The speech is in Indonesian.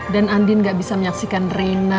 dan andin nggak bisa menyaksikan reina